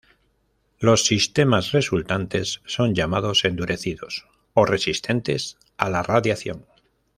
Los sistemas resultantes son llamados endurecidos o resistentes a la radiación.